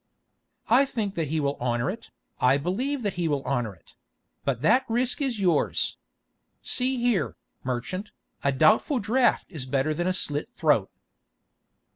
"I think that he will honour it, I believe that he will honour it; but that risk is yours. See here, merchant, a doubtful draft is better than a slit throat."